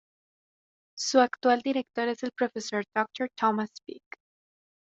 Su actual director es el profesor Dr. Thomas Speck.